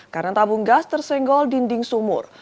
karena tabung gas tersenggol dinding sumur